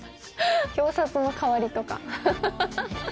表札の代わりとかアハハ！